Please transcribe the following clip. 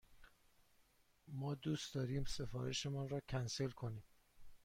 ما دوست داریم سفارش مان را کنسل کنیم.